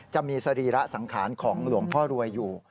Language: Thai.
จะมีสรีระสังขารของหลวงพ่อรวยอยู่